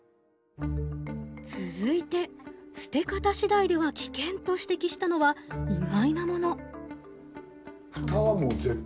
続いて「捨て方次第では危険！」と指摘したのは意外なもの。